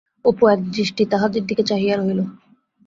অপু একদৃষ্টি তাহদের দিকে চাহিয়া রহিল।